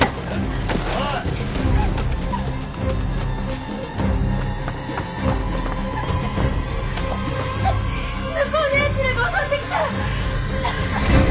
・おいっ向こうのやつらが襲ってきた！